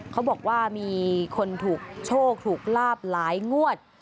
เขาบอกว่ามีคนถูกโชคถูกลาบหลายงวด